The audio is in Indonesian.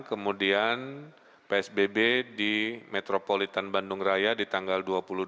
kemudian psbb di metropolitan bandung raya di tanggal dua puluh dua